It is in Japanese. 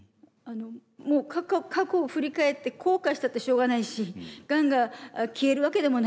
もう過去を振り返って後悔したってしょうがないしがんが消えるわけでもないし。